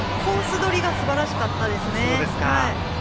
取りがすばらしかったです。